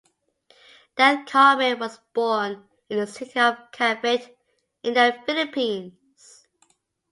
Del Carmen was born in the city of Cavite in the Philippines.